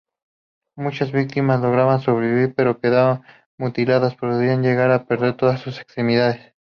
Muchas víctimas lograban sobrevivir pero quedaban mutiladas: podían llegar a perder todas sus extremidades.